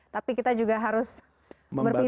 tapi kita juga harus berpindah